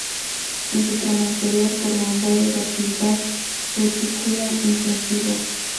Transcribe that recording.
En su tramo inferior forma un valle de actividad frutícola intensiva.